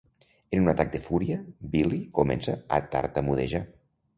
En un atac de fúria, Billy comença a tartamudejar.